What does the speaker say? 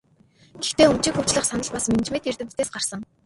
Гэхдээ өмчийг хувьчлах санал бас менежментийн эрдэмтдээс гарсан.